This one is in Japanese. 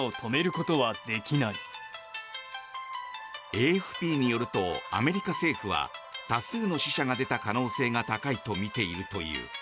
ＡＦＰによるとアメリカ政府は多数の死者が出た可能性が高いとみているという。